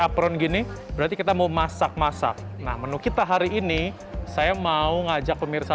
apron gini berarti kita mau masak masak nah menu kita hari ini saya mau ngajak pemirsa